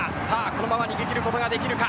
このまま逃げ切ることができるか。